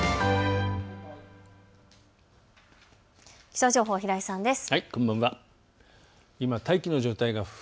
気象情報、平井さんです。